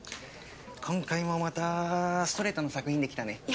今回もまたストレートな作品できたね。